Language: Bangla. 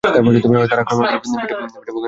তারা আক্রমণ করে পিঠে, বুকে নয়।